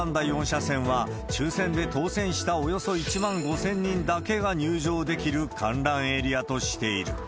４車線は、抽せんで当せんしたおよそ１万５０００人だけが入場できる観覧エリアとしている。